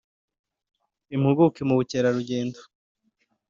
Impuguke mu by’ubukerarugendo